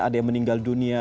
ada yang meninggal dunia